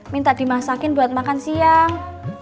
minta dimasakin buat makan siang